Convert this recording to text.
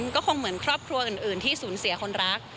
ก็คงเหมือนครอบครัวอื่นที่สูญเสียคนรัก